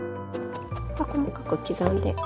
細かく刻んで。